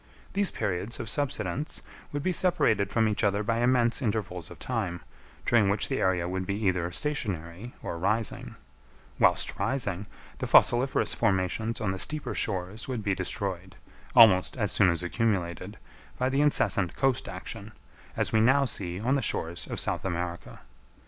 These periods of subsidence would be separated from each other by immense intervals of time, during which the area would be either stationary or rising; whilst rising, the fossiliferous formations on the steeper shores would be destroyed, almost as soon as accumulated, by the incessant coast action, as we now see on the shores of South America.